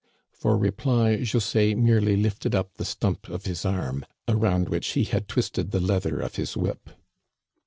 For reply, José merely lifted up the stump of his arm, around which he had twisted the leather of his whip.